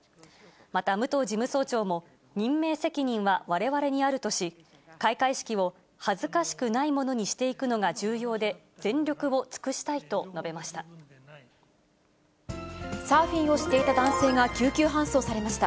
また武藤事務総長も任命責任はわれわれにあるとし、開会式を恥ずかしくないものにしていくのが重要で、全力を尽くしたいと述べまサーフィンをしていた男性が救急搬送されました。